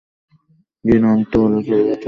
ঘৃণা অনেকটা ভালোবাসার বিপরীত শব্দ।